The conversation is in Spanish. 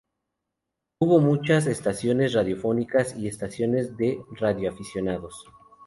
Hubo muchas estaciones radiofónicas y estaciones de radioaficionados.